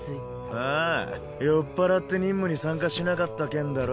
ああ酔っ払って任務に参加しなかった件だろ？